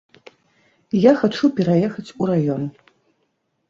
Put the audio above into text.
Я хачу пераехаць у раён.